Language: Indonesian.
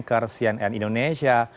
asean and indonesia